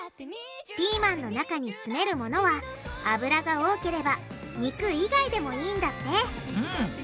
ピーマンの中に詰めるものはアブラが多ければ肉以外でもいいんだって。